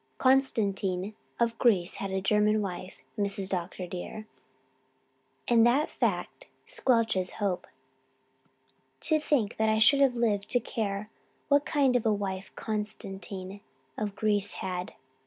"Constantine of Greece has a German wife, Mrs. Dr. dear, and that fact squelches hope. To think that I should have lived to care what kind of a wife Constantine of Greece had!